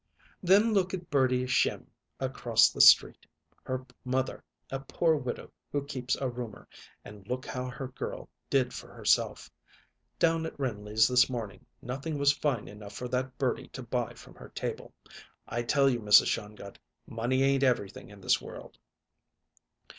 "Then look at Birdie Schimm, across the street. Her mother a poor widow who keeps a roomer, and look how her girl did for herself! Down at Rindley's this morning nothing was fine enough for that Birdie to buy for her table. I tell you, Mrs. Shongut, money ain't everything in this world."